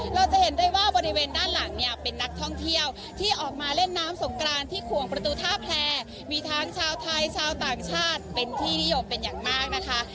เราจะเห็นได้ว่าบริเวณด้านหลังเนี่ยเป็นนักท่องเที่ยวที่ออกมาเล่นน้ำสงกรานที่ขวงประตูท่าแพลมีทั้งชาวไทยชาวต่างชาติเป็นที่นิยมเป็นอย่างมากนะคะ